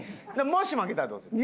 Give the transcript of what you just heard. もし負けたらどうする？